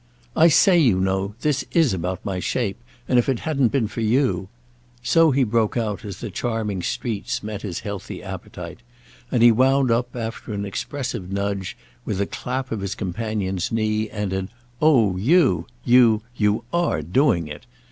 "I say, you know, this is about my shape, and if it hadn't been for you—!" so he broke out as the charming streets met his healthy appetite; and he wound up, after an expressive nudge, with a clap of his companion's knee and an "Oh you, you—you are doing it!"